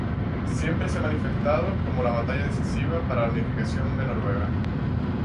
Siempre se ha manifestado como la batalla decisiva para la unificación de Noruega.